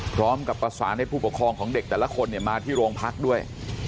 พร้อมกับประสานให้ผู้ปกครองของเด็กแต่ละคนมาที่โรงพักด้วย